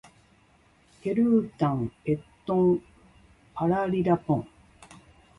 ペルータンペットンパラリラポン